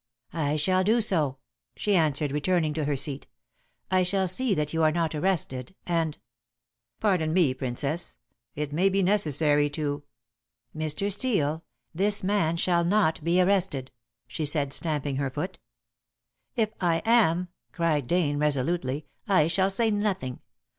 "I shall do so," she answered, returning to her seat. "I shall see that you are not arrested, and " "Pardon me, Princess, it may be necessary to " "Mr. Steel, this man shall not be arrested," she said, stamping her foot. "If I am," cried Dane resolutely, "I shall say nothing.